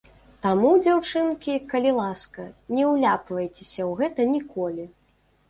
Таму, дзяўчынкі, калі ласка, не ўляпвайцеся у гэта ніколі!